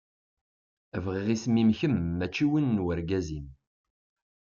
Bɣiɣ isem-im kemm mačči win n urgaz-im.